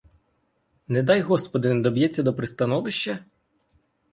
Не дай, господи, не доб'ється до пристановища?